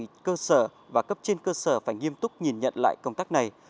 cấp ủy cơ sở và cấp trên cơ sở phải nghiêm túc nhìn nhận lại công tác này